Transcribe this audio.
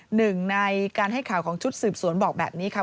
หนึ่งในการให้ข่าวของชุดสืบสวนบอกแบบนี้ค่ะ